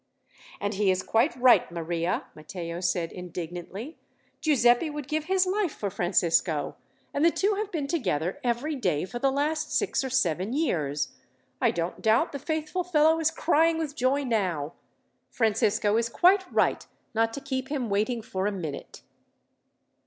"And he is quite right, Maria," Matteo said indignantly. "Giuseppi would give his life for Francisco, and the two have been together every day for the last six or seven years. I don't doubt the faithful fellow is crying with joy now. Francisco is quite right, not to keep him waiting for a minute."